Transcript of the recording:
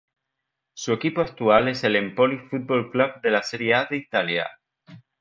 Su equipo actual es el Empoli Football Club de la Serie A de Italia.